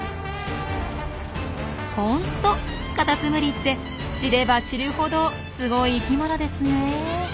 ホントカタツムリって知れば知るほどすごい生きものですねえ。